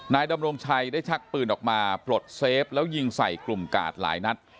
ดำรงชัยได้ชักปืนออกมาปลดเซฟแล้วยิงใส่กลุ่มกาดหลายนัด